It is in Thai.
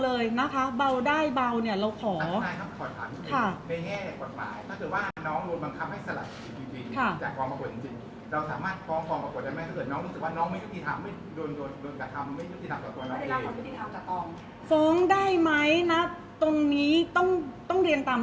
เพราะว่าสิ่งเหล่านี้มันเป็นสิ่งที่ไม่มีพยาน